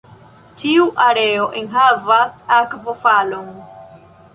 Ĉiu areo enhavas akvofalon.